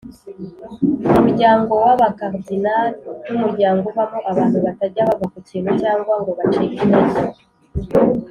Umuryango waba cardinal numuryango ubamo abantu batajya bava kukintu cyangwa ngo bacike intege